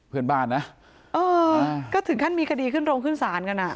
เพื่อนบ้านนะเออก็ถึงขั้นมีคดีขึ้นโรงขึ้นศาลกันอ่ะ